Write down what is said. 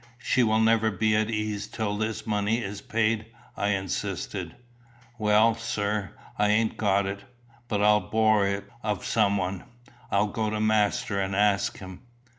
"She will never be at ease till this money is paid," I insisted. "Well, sir, I ain't got it, but I'll borrow it of someone; I'll go to master, and ask him."